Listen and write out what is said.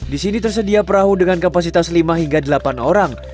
di sini tersedia perahu dengan kapasitas lima hingga delapan orang